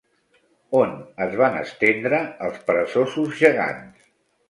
On es van estendre els peresosos gegants?